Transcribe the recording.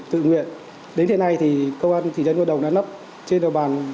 tự nguyện đến thế này thì công an tỉnh dân ngôi đồng đã nắp trên đầu bàn